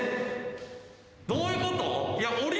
どういうこと？